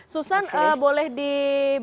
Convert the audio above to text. susan boleh diberi informasi